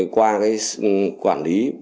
qua cái quản lý